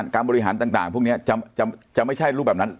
การบริหารต่างพวกนี้จะไม่ใช่รูปแบบนั้น